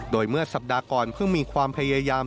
โดยเมื่อสัปดาห์ก่อนเพิ่งมีความพยายาม